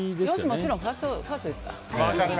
もちろんファーストですから。